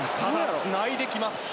つないできます。